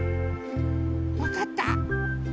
わかった？